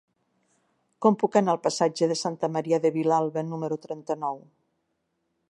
Com puc anar al passatge de Santa Maria de Vilalba número trenta-nou?